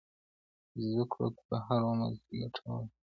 زده کړه په هر عمر کې ګټوره ده.